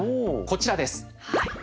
こちらです。